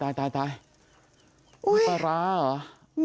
นี่ปลาร้าหรอ